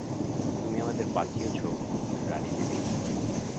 তুমি আমাদের বাঁচিয়েছ রানীদিদি।